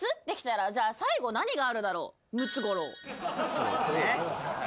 そうだね。